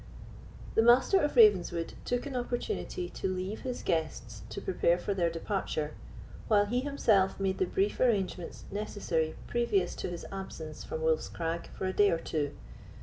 The Master of Ravenswood took an opportunity to leave his guests to prepare for their departure, while he himself made the brief arrangements necessary previous to his absence from Wolf's Crag for a day or two.